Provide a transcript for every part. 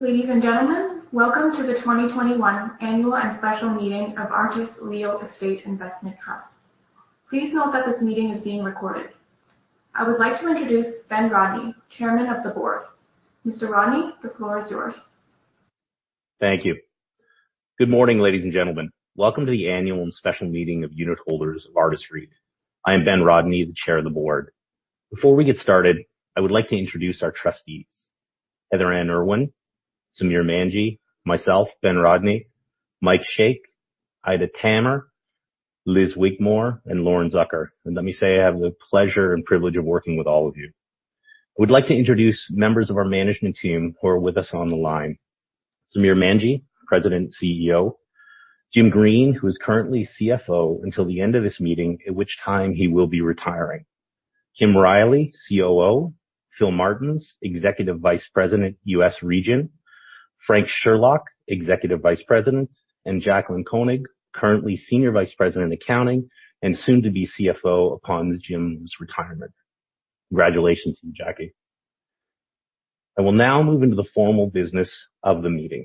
Ladies and gentlemen, welcome to the 2021 Annual and Special Meeting of Artis Real Estate Investment Trust. Please note that this meeting is being recorded. I would like to introduce Ben Rodney, Chair of the Board. Mr. Rodney, the floor is yours. Thank you. Good morning, ladies and gentlemen. Welcome to the annual and special meeting of unitholders of Artis REIT. I'm Ben Rodney, the chair of the board. Before we get started, I would like to introduce our trustees, Heather-Anne Irwin, Samir Manji, myself, Ben Rodney, Mike Shaikh, Aida Tammer, Lis Wigmore, and Lauren Zucker. Let me say I have the pleasure and privilege of working with all of you. I would like to introduce members of our management team who are with us on the line. Samir Manji, President and CEO. Jim Green, who is currently CFO until the end of this meeting, at which time he will be retiring. Kim Reilly, COO. Philip Martens, Executive Vice President, U.S. Region. Frank Sherlock, Executive Vice President, and Jaclyn Koenig, currently Senior Vice President of Accounting, and soon to be CFO upon Jim's retirement. Congratulations, Jackie. I will now move into the formal business of the meeting.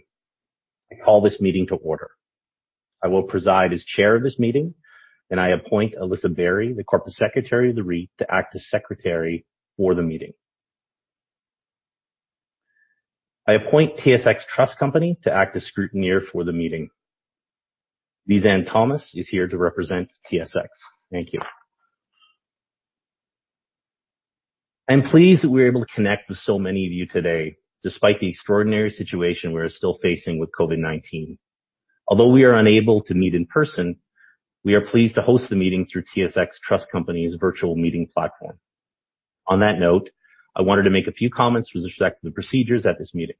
I call this meeting to order. I will preside as Chair of this meeting, and I appoint Alyssa Barry, the Corporate Secretary of the REIT, to act as secretary for the meeting. I appoint TSX Trust Company to act as scrutineer for the meeting. Lee Van Thomas is here to represent TSX. Thank you. I'm pleased that we're able to connect with so many of you today, despite the extraordinary situation we are still facing with COVID-19. Although we are unable to meet in person, we are pleased to host the meeting through TSX Trust Company's virtual meeting platform. I wanted to make a few comments with respect to the procedures at this meeting.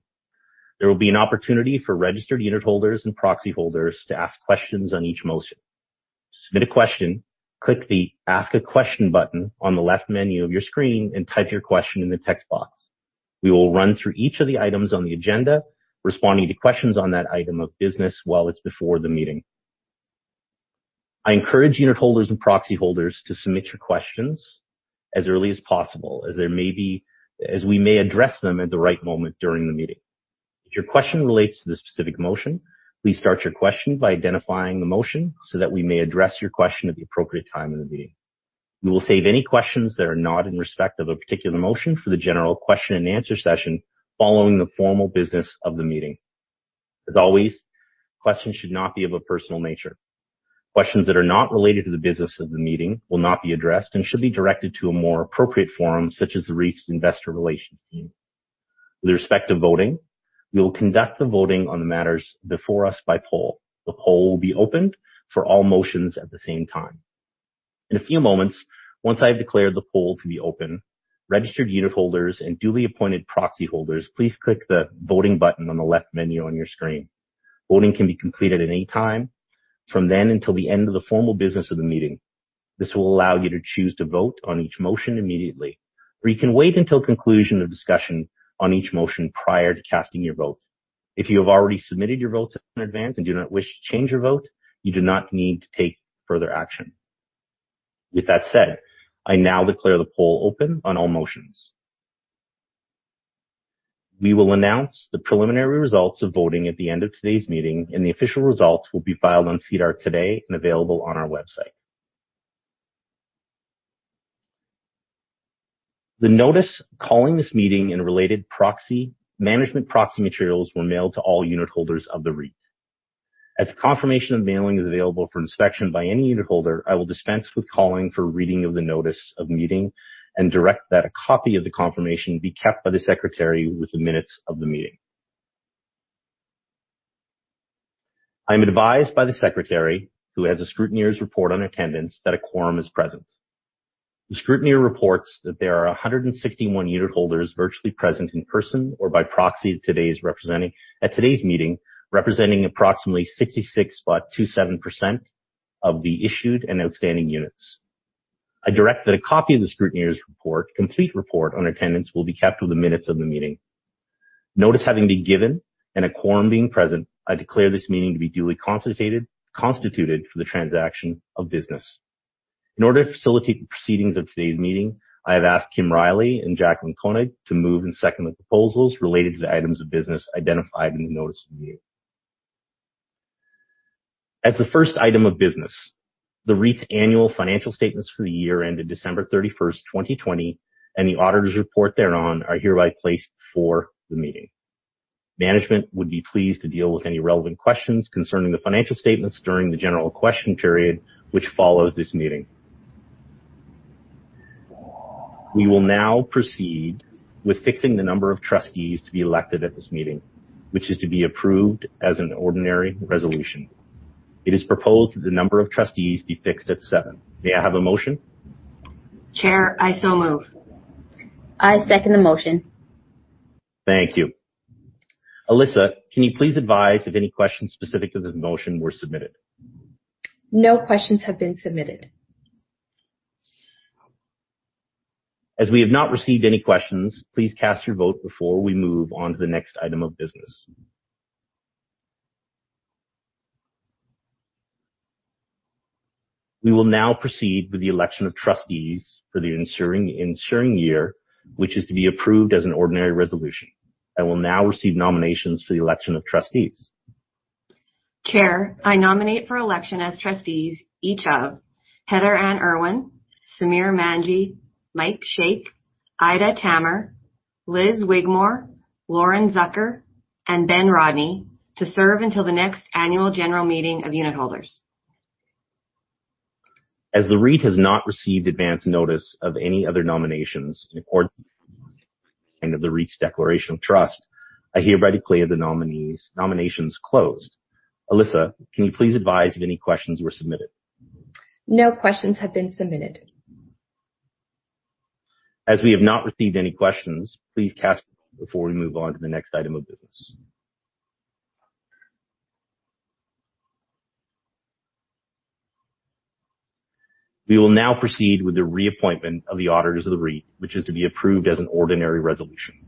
There will be an opportunity for registered unitholders and proxy holders to ask questions on each motion. To submit a question, click the Ask a Question button on the left menu of your screen, and type your question in the text box. We will run through each of the items on the agenda, responding to questions on that item of business while it's before the meeting. I encourage unitholders and proxy holders to submit your questions as early as possible, as we may address them at the right moment during the meeting. If your question relates to the specific motion, please start your question by identifying the motion so that we may address your question at the appropriate time in the meeting. We will save any questions that are not in respect of a particular motion for the general question and answer session following the formal business of the meeting. As always, questions should not be of a personal nature. Questions that are not related to the business of the meeting will not be addressed and should be directed to a more appropriate forum, such as the REIT's investor relations team. With respect to voting, we will conduct the voting on the matters before us by poll. The poll will be opened for all motions at the same time. In a few moments, once I declare the poll to be open, registered unitholders and duly appointed proxy holders, please click the Voting button on the left menu on your screen. Voting can be completed at any time from then until the end of the formal business of the meeting. This will allow you to choose to vote on each motion immediately, or you can wait until conclusion of discussion on each motion prior to casting your vote. If you have already submitted your votes in advance and do not wish to change your vote, you do not need to take further action. With that said, I now declare the poll open on all motions. We will announce the preliminary results of voting at the end of today's meeting, and the official results will be filed on SEDAR today and available on our website. The notice calling this meeting and related management proxy materials were mailed to all unitholders of the REIT. As confirmation of mailing is available for inspection by any unitholder, I will dispense with calling for a reading of the notice of meeting and direct that a copy of the confirmation be kept by the secretary with the minutes of the meeting. I'm advised by the secretary, who has a scrutineer's report on attendance, that a quorum is present. The scrutineer reports that there are 161 unitholders virtually present in person or by proxy at today's meeting, representing approximately 66.27% of the issued and outstanding units. I direct that a copy of the scrutineer's complete report on attendance will be kept with the minutes of the meeting. Notice having been given and a quorum being present, I declare this meeting to be duly constituted for the transaction of business. In order to facilitate the proceedings of today's meeting, I have asked Kim Reilly and Jaclyn Koenig to move and second the proposals related to the items of business identified in the notice of the meeting. As the first item of business, the REIT's annual financial statements for the year ended December 31st, 2020, and the auditor's report thereon are hereby placed before the meeting. Management would be pleased to deal with any relevant questions concerning the financial statements during the general question period, which follows this meeting. We will now proceed with fixing the number of trustees to be elected at this meeting, which is to be approved as an ordinary resolution. It is proposed that the number of trustees be fixed at seven. May I have a motion? Chair, I so move. I second the motion. Thank you. Alyssa, can you please advise if any questions specific to the motion were submitted? No questions have been submitted. As we have not received any questions, please cast your vote before we move on to the next item of business. We will now proceed with the election of trustees for the ensuing year, which is to be approved as an ordinary resolution. I will now receive nominations for the election of trustees. Chair, I nominate for election as trustees each of Heather-Anne Irwin, Samir Manji, Mike Shaikh, Aida Tammer, Lis Wigmore, Lauren Zucker, and Ben Rodney to serve until the next annual general meeting of unitholders. As the REIT has not received advance notice of any other nominations in accordance with the REIT's declaration of trust, I hereby declare the nominations closed. Alyssa, can you please advise if any questions were submitted? No questions have been submitted. As we have not received any questions, please cast your vote before we move on to the next item of business. We will now proceed with the reappointment of the auditors of the REIT, which is to be approved as an an ordinary resolution.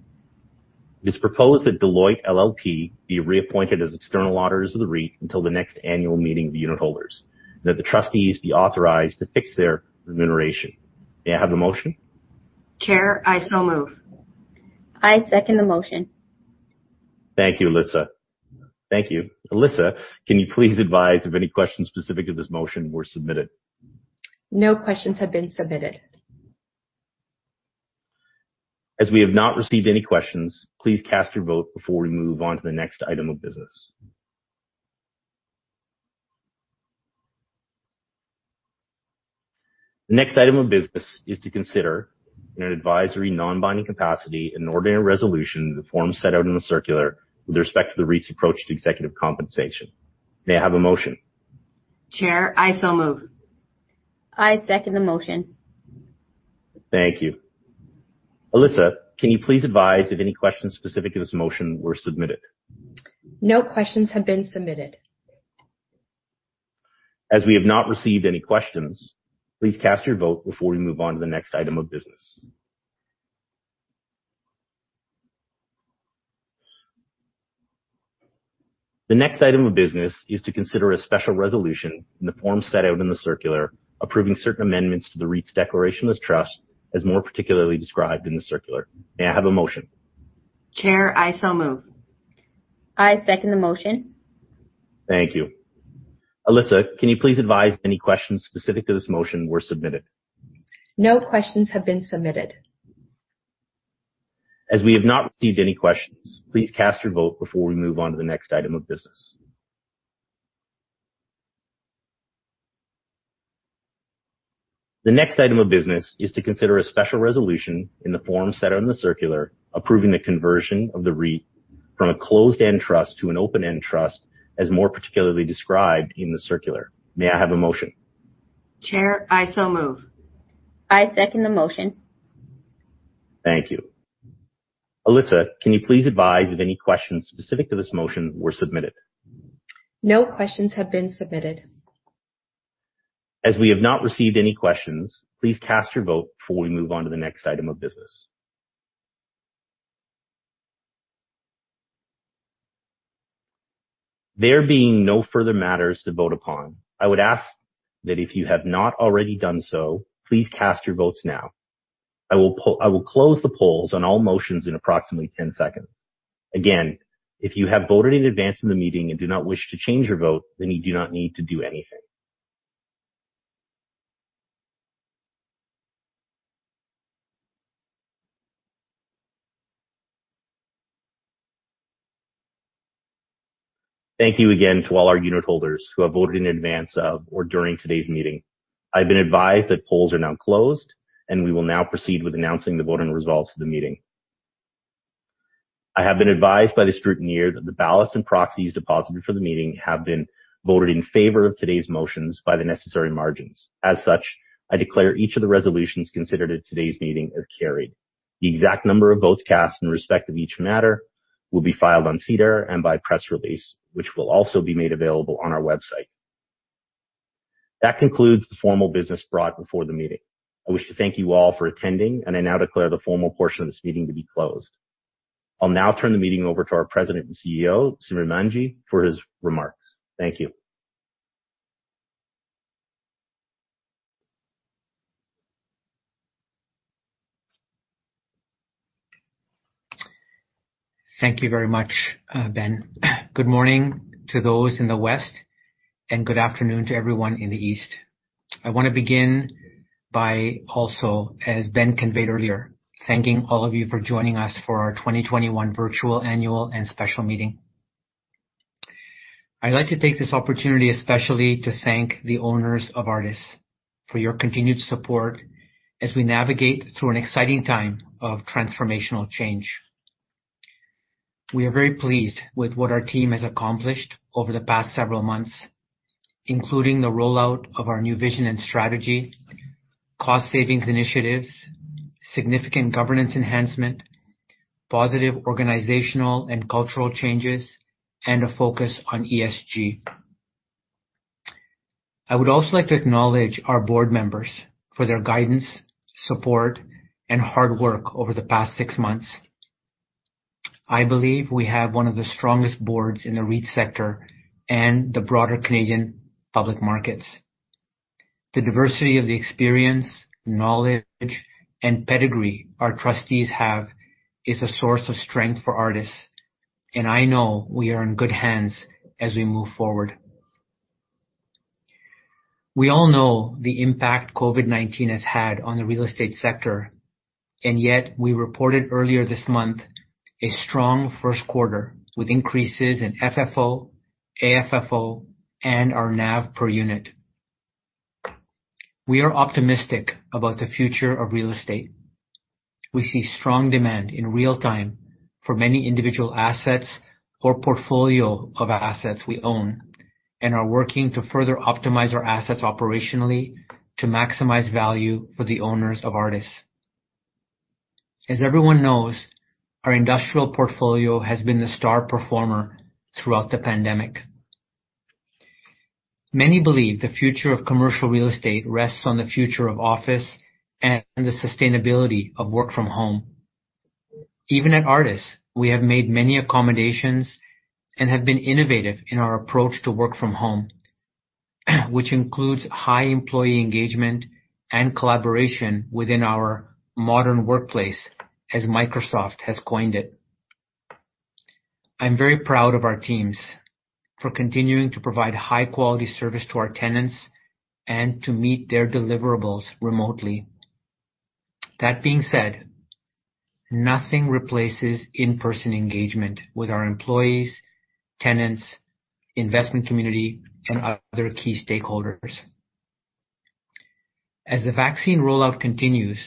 It is proposed that Deloitte LLP be reappointed as external auditors of the REIT until the next annual meeting of unitholders, and that the trustees be authorized to fix their remuneration. May I have a motion? Chair, I so move. I second the motion Thank you, Alyssa. Thank you. Alyssa, can you please advise if any questions specific to this motion were submitted? No questions have been submitted. As we have not received any questions, please cast your vote before we move on to the next item of business. The next item of business is to consider, in an advisory, non-binding capacity, an ordinary resolution in the form set out in the circular with respect to the REIT's approach to executive compensation. May I have a motion? Chair, I so move. I second the motion. Thank you. Alyssa, can you please advise if any questions specific to this motion were submitted? No questions have been submitted. As we have not received any questions, please cast your vote before we move on to the next item of business. The next item of business is to consider a special resolution in the form set out in the circular, approving certain amendments to the REIT's declaration of trust, as more particularly described in the circular. May I have a motion? Chair, I so move. I second the motion. Thank you. Alyssa, can you please advise if any questions specific to this motion were submitted? No questions have been submitted. As we have not received any questions, please cast your vote before we move on to the next item of business. The next item of business is to consider a special resolution in the form set out in the circular, approving a conversion of the REIT from a closed-end trust to an open-end trust, as more particularly described in the circular. May I have a motion? Chair, I so move. I second the motion. Thank you. Alyssa, can you please advise if any questions specific to this motion were submitted? No questions have been submitted. As we have not received any questions, please cast your vote before we move on to the next item of business. There being no further matters to vote upon, I would ask that if you have not already done so, please cast your votes now. I will close the polls on all motions in approximately 10 seconds. Again, if you have voted in advance of the meeting and do not wish to change your vote, then you do not need to do anything. Thank you again to all our unitholders who have voted in advance of or during today's meeting. I've been advised that polls are now closed, and we will now proceed with announcing the voting results of the meeting. I have been advised by the scrutineer that the ballots and proxies deposited for the meeting have been voted in favor of today's motions by the necessary margins. As such, I declare each of the resolutions considered at today's meeting as carried. The exact number of votes cast in respect of each matter will be filed on SEDAR and by press release, which will also be made available on our website. That concludes the formal business brought before the meeting. I wish to thank you all for attending, and I now declare the formal portion of this meeting to be closed. I'll now turn the meeting over to our President and CEO, Samir Manji, for his remarks. Thank you. Thank you very much, Ben. Good morning to those in the West, and good afternoon to everyone in the East. I want to begin by also, as Ben conveyed earlier, thanking all of you for joining us for our 2021 Virtual Annual and Special Meeting. I'd like to take this opportunity, especially, to thank the owners of Artis for your continued support as we navigate through an exciting time of transformational change. We are very pleased with what our team has accomplished over the past several months, including the rollout of our new vision and strategy, cost savings initiatives, significant governance enhancement, positive organizational and cultural changes, and a focus on ESG. I would also like to acknowledge our board members for their guidance, support, and hard work over the past six months. I believe we have one of the strongest boards in the REIT sector and the broader Canadian public markets. The diversity of the experience, knowledge, and pedigree our trustees have is a source of strength for Artis. I know we are in good hands as we move forward. We all know the impact COVID-19 has had on the real estate sector. Yet we reported earlier this month a strong first quarter with increases in FFO, AFFO, and our NAV per unit. We are optimistic about the future of real estate. We see strong demand in real time for many individual assets or portfolio of assets we own and are working to further optimize our assets operationally to maximize value for the owners of Artis. As everyone knows, our industrial portfolio has been the star performer throughout the pandemic. Many believe the future of commercial real estate rests on the future of office and the sustainability of work from home. Even at Artis, we have made many accommodations and have been innovative in our approach to work from home, which includes high employee engagement and collaboration within our modern workplace, as Microsoft has coined it. I'm very proud of our teams for continuing to provide high-quality service to our tenants and to meet their deliverables remotely. That being said, nothing replaces in-person engagement with our employees, tenants, investment community, and other key stakeholders. As the vaccine rollout continues,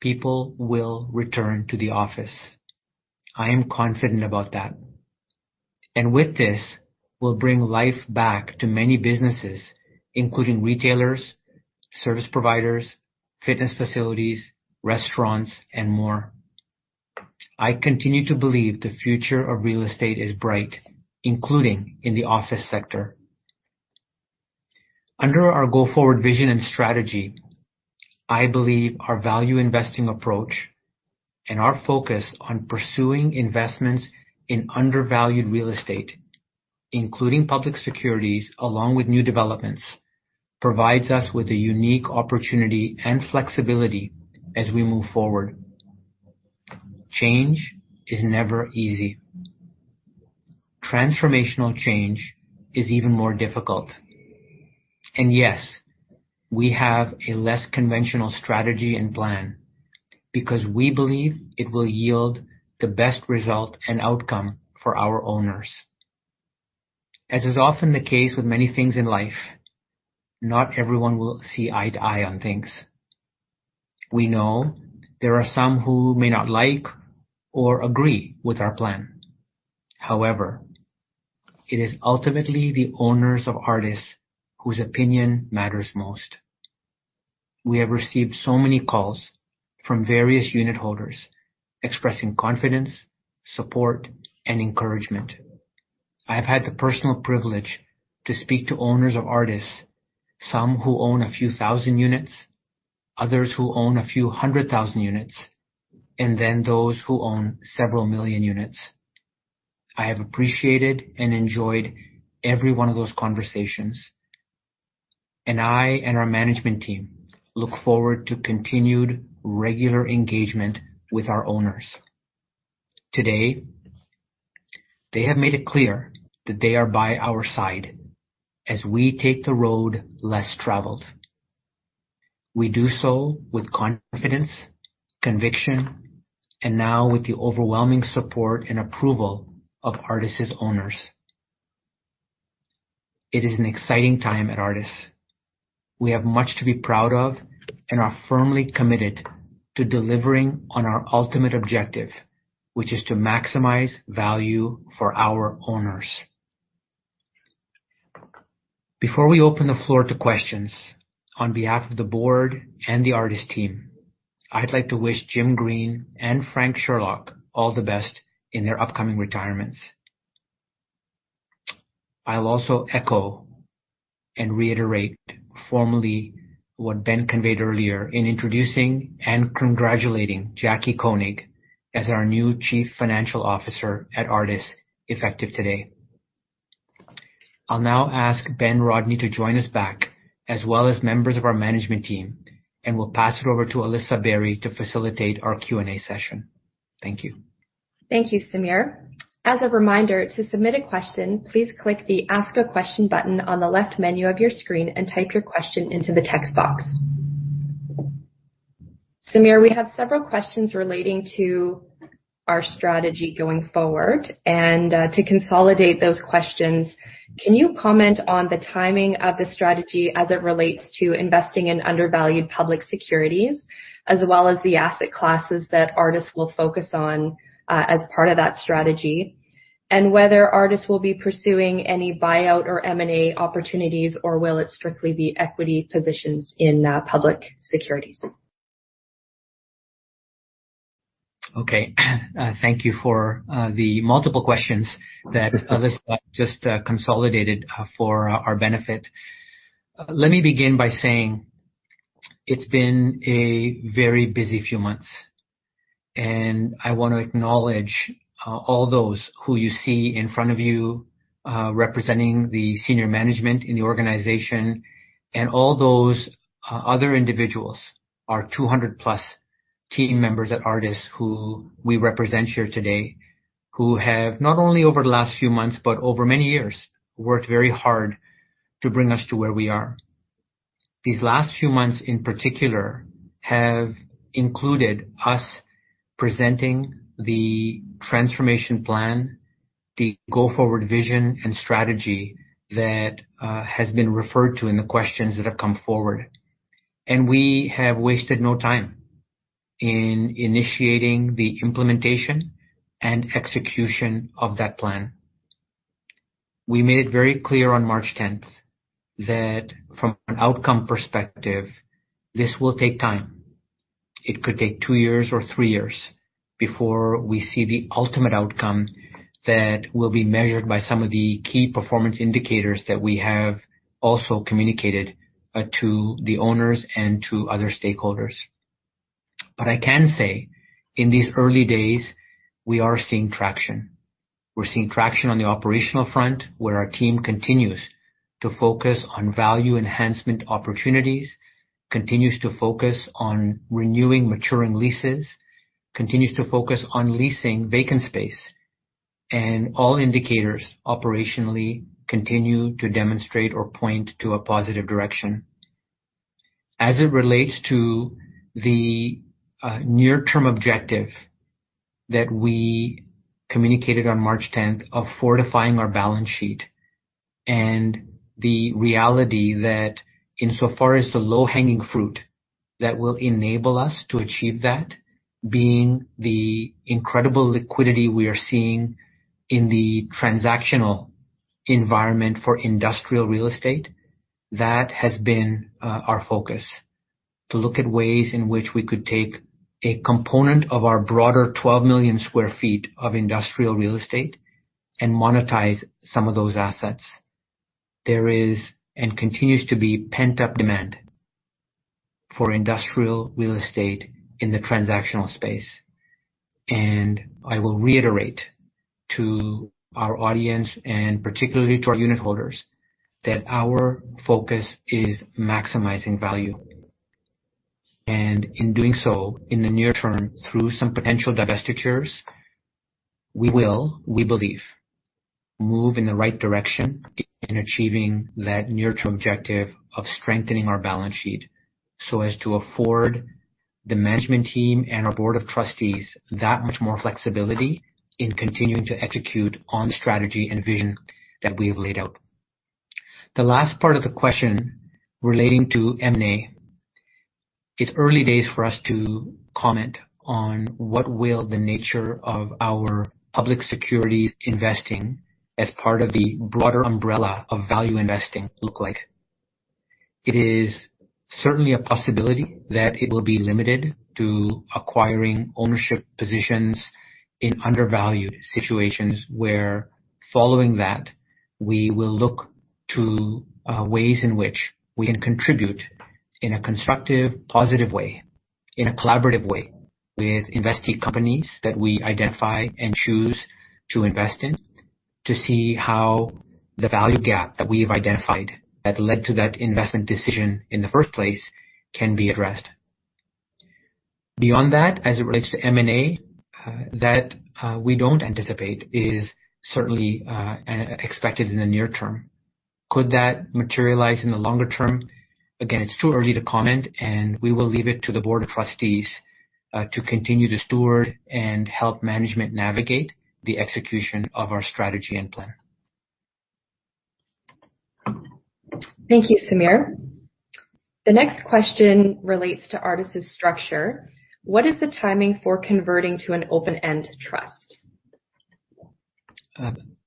people will return to the office. I am confident about that. With this, we'll bring life back to many businesses, including retailers, service providers, fitness facilities, restaurants, and more. I continue to believe the future of real estate is bright, including in the office sector. Under our go-forward vision and strategy, I believe our value investing approach and our focus on pursuing investments in undervalued real estate, including public securities, along with new developments, provides us with a unique opportunity and flexibility as we move forward. Change is never easy. Transformational change is even more difficult. Yes, we have a less conventional strategy and plan because we believe it will yield the best result and outcome for our owners. As is often the case with many things in life, not everyone will see eye to eye on things. We know there are some who may not like or agree with our plan. However, it is ultimately the owners of Artis whose opinion matters most. We have received so many calls from various unit holders expressing confidence, support, and encouragement. I've had the personal privilege to speak to owners of Artis, some who own a few thousand units, others who own a few hundred thousand units, and then those who own several million units. I have appreciated and enjoyed every one of those conversations, and I and our management team look forward to continued regular engagement with our owners. Today, they have made it clear that they are by our side as we take the road less traveled. We do so with confidence, conviction, and now with the overwhelming support and approval of Artis' owners. It is an exciting time at Artis. We have much to be proud of and are firmly committed to delivering on our ultimate objective, which is to maximize value for our owners. Before we open the floor to questions, on behalf of the board and the Artis team, I'd like to wish Jim Green and Frank Sherlock all the best in their upcoming retirements. I'll also echo and reiterate formally what Ben conveyed earlier in introducing and congratulating Jaclyn Koenig as our new Chief Financial Officer at Artis, effective today. I'll now ask Ben Rodney to join us back, as well as members of our management team, and we'll pass it over to Alyssa Barry to facilitate our Q&A session. Thank you. Thank you, Samir. As a reminder, to submit a question, please click the Ask a Question button on the left menu of your screen and type your question into the text box. Samir, we have several questions relating to our strategy going forward, and to consolidate those questions, can you comment on the timing of the strategy as it relates to investing in undervalued public securities, as well as the asset classes that Artis will focus on as part of that strategy, and whether Artis will be pursuing any buyout or M&A opportunities, or will it strictly be equity positions in public securities? Okay. Thank you for the multiple questions that Alyssa just consolidated for our benefit. Let me begin by saying. It's been a very busy few months, and I want to acknowledge all those who you see in front of you representing the senior management in the organization and all those other individuals, our 200-plus team members at Artis who we represent here today, who have not only over the last few months but over many years, worked very hard to bring us to where we are. These last few months in particular have included us presenting the transformation plan, the go-forward vision, and strategy that has been referred to in the questions that have come forward. We have wasted no time in initiating the implementation and execution of that plan. We made it very clear on March 10th that from an outcome perspective, this will take time. It could take two years or three years before we see the ultimate outcome that will be measured by some of the key performance indicators that we have also communicated to the owners and to other stakeholders. I can say in these early days, we are seeing traction. We're seeing traction on the operational front, where our team continues to focus on value enhancement opportunities, continues to focus on renewing maturing leases, continues to focus on leasing vacant space, and all indicators operationally continue to demonstrate or point to a positive direction. As it relates to the near-term objective that we communicated on March 10th of fortifying our balance sheet and the reality that insofar as the low-hanging fruit that will enable us to achieve that, being the incredible liquidity we are seeing in the transactional environment for industrial real estate, that has been our focus. To look at ways in which we could take a component of our broader 12 million square feet of industrial real estate and monetize some of those assets. There is and continues to be pent-up demand for industrial real estate in the transactional space. I will reiterate to our audience and particularly to our unitholders, that our focus is maximizing value. In doing so, in the near term, through some potential divestitures, we will, we believe, move in the right direction in achieving that near-term objective of strengthening our balance sheet so as to afford the management team and our board of trustees that much more flexibility in continuing to execute on the strategy and vision that we have laid out. The last part of the question relating to M&A. It's early days for us to comment on what will the nature of our public securities investing as part of the broader umbrella of value investing look like? It is certainly a possibility that it will be limited to acquiring ownership positions in undervalued situations where following that, we will look to ways in which we can contribute in a constructive, positive way, in a collaborative way with investee companies that we identify and choose to invest in. To see how the value gap that we've identified that led to that investment decision in the first place can be addressed. Beyond that, as it relates to M&A, that we don't anticipate is certainly expected in the near term. Could that materialize in the longer term? It's too early to comment, and we will leave it to the board of trustees to continue to steward and help management navigate the execution of our strategy and plan. Thank you, Samir. The next question relates to Artis' structure. What is the timing for converting to an open-end trust?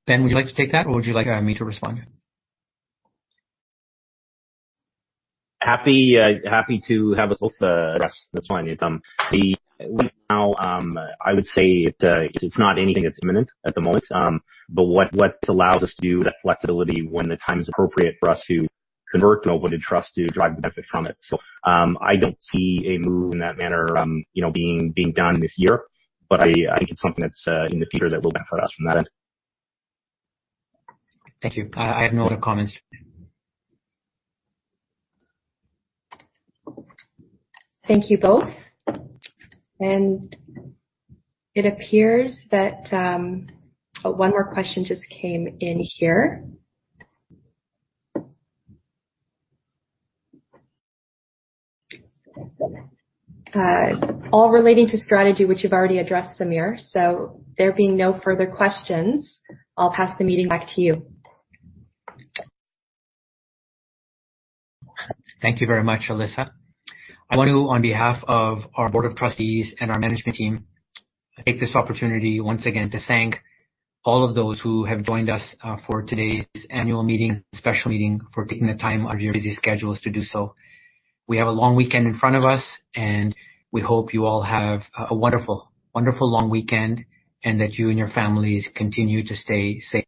Ben, would you like to take that, or would you like me to respond? Happy to have a look to address that point. Right now, I would say it's not anything that's imminent at the moment. What it allows us to do, that flexibility when the time is appropriate for us to convert to open trust to drive benefit from it. I don't see a move in that manner being done this year, but I think it's something that's in the future that will benefit us from that. Thank you. I have no other comments. Thank you both. It appears that one more question just came in here. All relating to strategy, which you've already addressed, Samir. There being no further questions, I'll pass the meeting back to you. Thank you very much, Alyssa. I want to, on behalf of our board of trustees and our management team, take this opportunity once again to thank all of those who have joined us for today's annual meeting and special meeting for taking the time out of your busy schedules to do so. We have a long weekend in front of us, and we hope you all have a wonderful long weekend and that you and your families continue to stay safe.